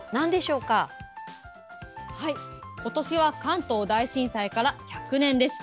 ことしは関東大震災から１００年です。